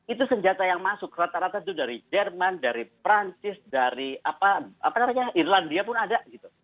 itu senjata yang masuk rata rata itu dari jerman dari perancis dari irlandia pun ada gitu